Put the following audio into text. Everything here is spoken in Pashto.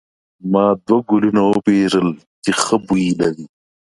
ما دوه ګلونه وپیرل چې ښه بوی لري.